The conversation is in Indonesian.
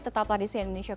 tetaplah di lionion